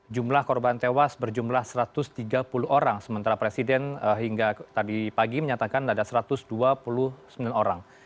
jumlah korban tewas berjumlah satu ratus tiga puluh orang sementara presiden hingga tadi pagi menyatakan ada satu ratus dua puluh sembilan orang